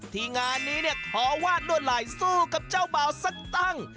ที่งานนี้ขอวาดด้วยหลายสู้กับเจ้าบ่าวสักตั้ง